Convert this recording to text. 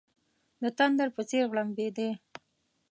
د تندر په څېر غړمبېدی.